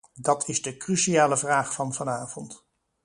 Dat is de cruciale vraag van vanavond.